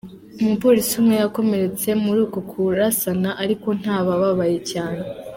Umupolisi umwe yakomeretse muri uko kurasana ariko ntababaye cane.